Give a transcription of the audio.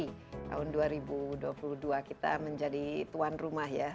tahun dua ribu dua puluh dua kita menjadi tuan rumah ya